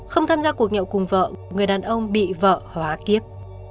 không tham gia cuộc nhậu cùng vợ người đàn ông bị vợ hóa kiếp